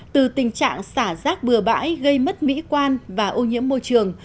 từ tình trạng xả rác bừa bãi gây mất mỹ quan và ô nhiễm môi trường